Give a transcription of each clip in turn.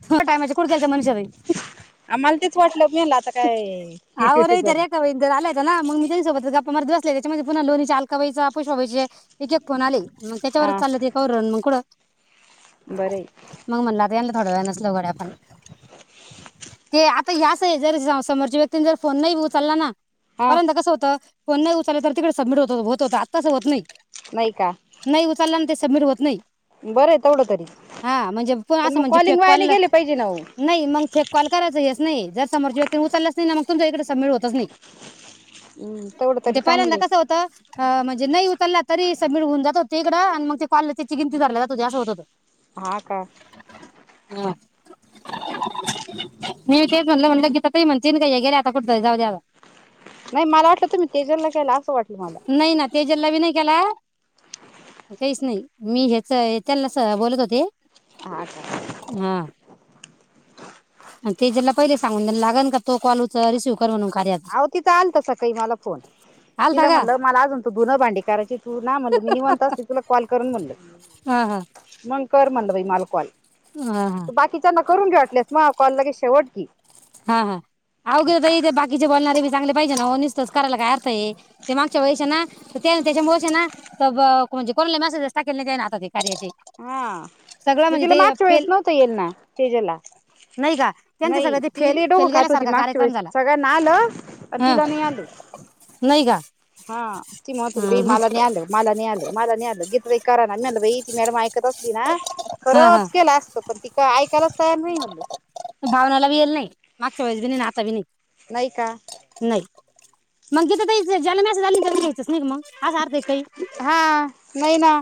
[unintelligible] मनीषा ताई अहो ताई त्या रेखा आम्हाला तेच वाटलं मेल आता काय वाहिनी जर आल्या चला मग मी त्यांच्या सोबतच गप्पा मारत बसलेले, त्याच्यामध्ये पुन्हा लोणीचा अलकाईचा, पुष्पा बाईचे एक एक फोन आले. मग त्याच्यावरच हा चाललं ते कौरण मग कुडं बरं आहे मग म्हणला ध्यान थोड्या वेळा नच लाऊ गड्या आपण. ते आता हे असं हे, जर स समोरची व्यक्तीन जर फोन नही उचलला ना हा पहिल्यांदा कसं होतं फोन नाही उचला तर तिकडं सबमीट होत होत आत तस होत नही, नाही नही उचलन ते सबमिट होत नाही बरंय तवढं तरी, हा म्हणजे पण असं मग म्हणजे कॉल कॉल ला, नही मग फेक कॉल करायच एक. नाही जर समोच्या व्यक्ती उचलच नाही, न मग तुमच्या इकडे सबमिट होतच नाही. हम्म तेवढं तरी म्हणजे चांगलं पहिल्यांदा कसं होतं अ म्हणज जे नाही उचला तरी सबमिट होऊन जात ते हिकडं आणि मग ते कॉलला त्याची गिंनती धरला जात असं होतं ते हा का मी तेच म्हणलं, म्हणल गीता ताई म्हणतील का ह्या गेल्या आता कुठंतरी जावद्यावा. नाही माला वाटलं, तुम्ही तेजल ला केला, असं वाटलं माला. आ काहीच नाही, मी हेच त्यानलाच अ बोलत होते. हा का हा अन तेजल ला पहिले सांगून देण लागन का तो कॉल उच रिसिव कर म्हणून. कार्याचा अह तिथं आलता सकाळी मला फोन आलता तिला का म्हणल मला अजून तु धुनं भांडी करायची तू ना म्हणल मी निवांत असते तुला कॉल करून म्हणल, हा हा मग कर म्हणल बाई माल कॉल हा हा त्या बाकीच्याना करून घे वाटलेस म कॉल लगे शेवट की हा हा आव गीयो ताई, ते बाकीचे बोलणारे बी चांगले पाहिजे ना ओ, नीसतच कराला काय अर्थ हे, ते मांगच्या वेळेस ना तर त्यानी त्याच्यामुळेच हे ना ब ब म्हणजे कोणाला मसेजेस टाकेल नाही. आता ते कार्याचे हा सगळं म म्हणजे तिला ते मागच्या वेळेस फेल नव्हत येईल ना सेजला नाही का त्यांचं नाही. सगळं ते ति फेल लई फेल डोक खात होती, गेल्यासारखा मागच्या कार्यक्रम वेळेस झाला सगळ्यांना आलं आण न ह तिला नही आलं नाही का हा ती म्हणत होती, बई हम्म माला नाही आल, माला नही आल, माला नाही आल, गीत लय करा ना मी म्हणलं बई ति मॅडम ऐकत च अ हा हा खरंच केल असत पण तिका ऐकायलाच तयार नाही म्हणलं. भावनाला बी येल नाही, मागच्या वेळेस बी नाही, ना आता बी नाही. नाही का नाही मंग तिथं काहीच नाही झाल्या मेसेज आली [unintelligible] असा अर्थ आहे काही हा नाही ना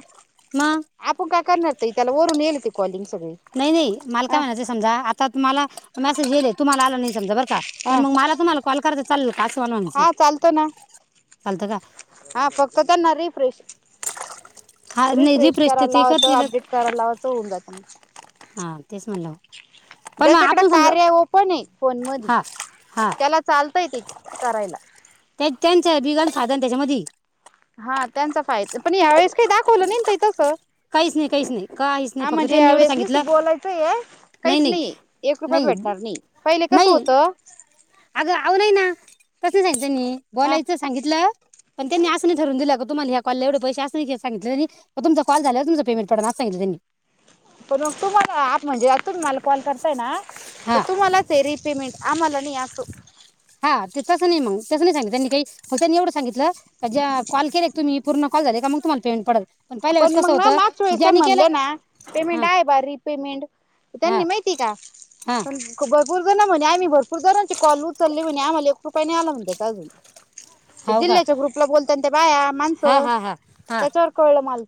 मग आपू का करणार ते त्याला वरून येईल की कॉलिंग्स नाई नाई मला काय म्हणायच समजा आता मला मेसेज येईल्ये तुम्हाला आला नाही समजा बर का हा पण मग मला तुम्हाला कॉल कर चाल हा चालतो ना चालतं का हा फक्त त्यांना रिफ्रेश हा नाही रिफ्रेश तर करायला ते लावायचं करतीलच अपडेट करायला लावायचं होऊन जाात मग हा तेच म्हणलं पण मग ज्याच्याकड आपण समजा कार्या ओपनये फोनमधी हा हा त्याला चालतय ते करायला [unintelligible] त्याच्यामधी हा त्यांचा फाय पण यावेळेस काय दाखवल नाय न ताई तसं काहीच नाही काहीच नाही काहीच नाही हा फक्त म्हणजे त्यांनी या एवढं वेळेस सांगितलं निसतं बोलायचं हे नाही काहीच नाही नाहिये एक रुपया भेटणार नाही पहिले कसं होत अग अवले ना [unintelligible] त्यांनी ह बोलायचं सांगितलं पण त्यांनी अस नाही ठरवून दिल का तुम्हाला या कॉलला एवढ पैेसे असं नाही सांगितल त तुमचा कॉल झाल्यावर तुमच पेमेंट पडणार असं सगितल त्यांनी पण मग तुम्हाला म्हणजे अजून तुम्ही मला कॉल करताय ना तर हा तुम्हालाच आहे रिपेमेंट आम्हाला नाही असतो. हा ते तस नाई मंग तस नाई सांगितल त्यांनी काही मग त्यांनी एवढ सांगितल की ज्या कॉल केलेत तुम्ही पूर्ण कॉल झाले का मंग तुम्हाला पेमेंट पडल. पण मग ना मागच्या वेळेस म्हणले ना पेमेंट हां आहे भारी रिपेमेंट हां त्यांनी माहितीय का हां [unintelligible] बघ भरपूर जण म्हणे आम्ही भरपूर जणांचे कॉल उचलले म्हणे आम्हाला एक रुपया नाही आला म्हनत्यात अजून ते हो का जिल्ह्याच्या ग्रुपला बोल बाया हां माणसं हां हां हां त्याच्यावर कळलं मला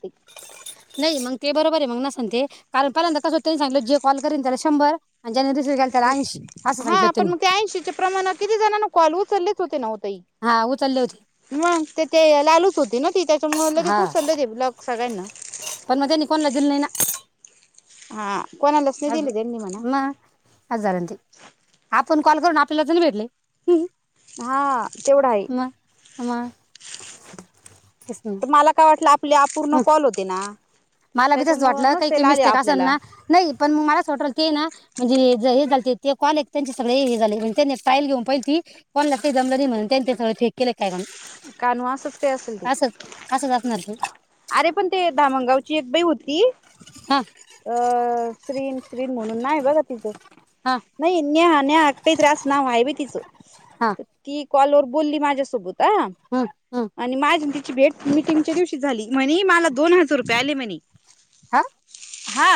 नाही मग ते बरोबर आहे मग ना. सांगते कालपर्यंत कसं होतं त्यांनी सांगितलं जो कॉल करीन त्याला शंभर आणि ज्याने रिसिव्ह केला त्याला ऐंशी असं सांगितलं हा होतं पण मग त्या त्यांनी ऐंशीच्या प्रमाणात किती जणांना कॉल उचललेत [inaudible] ताई हा उचलले होते मग ते ते लालूच होती ना ती त्यांच्यामुळ लगेच हा उचलले ते ब्लॉक सगळ्यांना पण मग त्यांनी कोणाला हा कोणालाच नाही अगं दिले त्यांनी म्हणा म हजार आणि ती पण कॉल करून आपल्याला जरी भेटले हा तेवढा हाये म त मला काय वाटलं आप पले अपूर्ण कॉल होते ना मला बी तसच त्याच्यामुळ वाटलं काही नसेल काही आले मिस्टेक असन आपल्याला. ना नाई पण मला असं वाटू राय की हाय ना म्हणजे जे हे झालते, ते कॉल एक त्यांचे सगळे हे झाले. त्यांनी एक ट्रायल घेऊन पाहिल की, कॉलला ते जमलं नाही म्हणून, त्यांचे सगळं चेक केले काय ग काय मग असच ते असेल ते असंच असणार ते अरे पण ते दामणगावची एक बाई होती हा त अ श्रीन श्रीन म्हणून नाई बघत तिच, हा नाई न्या न्या पीद्रास आसच नाव हाय वय तिच हा कॉलवर बोलली माझ्यासोबत आ हम्म हम्म भेट मिटिंगच्या दिवशी झाली म्हणी मला दोन हजार रुपये आले म्हणी हा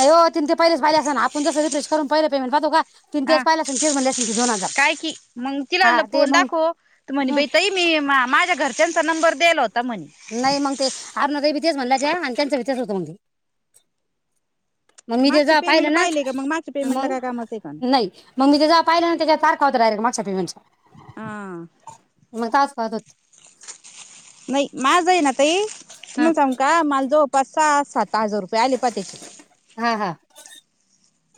नाई ओत तीन ते पाहिलच पाहिले आसन आपण जस रिफ्रेश करून पहिल पेमेंट पाहतो का? तिन हा तेच पाहिलं असेल तेच म्हणले असेल ते दोन हजार काय की मंग तिला हा म्हणलं ते फोन मग दाखव तर म्हणे हम्म बाई तई मी माझ्या घर ज्यांचा नंबर द्यायला होत नाही मग ते अरुणा ताई बी तेच म्हणला व्हत्या आणि त्यांचा बी तस [unintelligible] मग मी ते मागचे जवा पाहिलं पेमेंट ना, पाहिले का मग मागच्या पेमेंटला मग, काय कामाचं आहे का नाही, मग मी ते जवा पाहिलं ना त्याच्यावर तारख हवत डायरेक्ट मागच्या पेमेंट चा हा मग तास पाहत होत नाही माझ हायना तई हा तुम्हाला सांगू का माला जवळपास सहा सात सा हजार रुपये आले पा त्याचे हा हा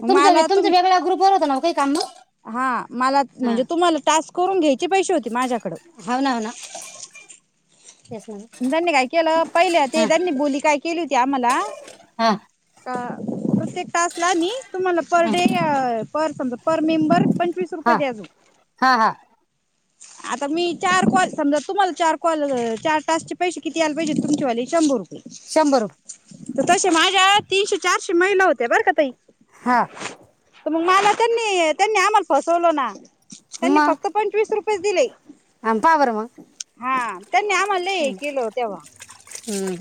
तुमचं मला तुम तुमचं वेगळ्या ग्रुपवर होतं ना हो काही काम मग हा मला म्हणजे हा तुम्हाला टास्क करून घ्यायचे पैसे होते माझ्याकडं. हो ना हो ना तेच ना त्यांनी काय केलं पहिल्या ते हा त्यांनी बोली काय केली होती आम्हाला हा का प्रत्येक तासला मी तुम्हाला पर हा डे अं पर समजा पर मेंबर पनं वीस रुपये हा दे अजून हा हा आता मी चार कॉल समजा तुम्हाला चार कॉल अं चार तासचे पैसे किती याला पाहिजे तुमचेवाले शंभर शंभर रुपये रुप तसे माझ्या तीनशे चारशे ती महिला होत्या बरं का ताई हा तर मग मला त्यांनी, त्यांनी आम्हाला फसवलं ना त्यांनी मग फक्त पंचवीस रुप पीस दिले. पहा बरं मग हा त्यांनी आम्हाला लय हे केलं ओ तेव्हा. हम्म,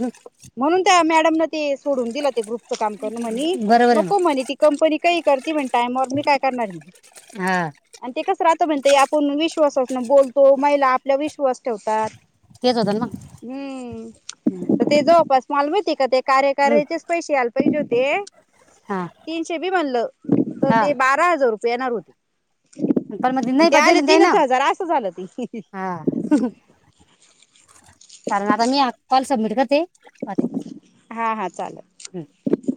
म्हणून त्या मॅडम न ते सोडून दिलं ते ग्रुपच काम करण म्हणि हम्म. बरोबर आहे नको मग म्हणी ती कंपनी काही कर किती मीटाईमावर तुम्ही काय करणार हा आन ते कसं राहत म्हणतय आप कोण विश्वासासन बोलतो महिला आपल्या विश्वास ठेवतात. तेच होतं ना मग हम्म ते जो फर्स्ट माल मिळती का ते हम्म. कार्यकाऱ्याचेच पैशे आल परीजोते हा तीनशे बी म्हनलं तर हा ते बारा हजार रुप पेनार होती. पण म नही [unintelligible] असं झालं ते हा चालेल कारण मी आता सबमिट ग ते हा हा हम्म. चालल.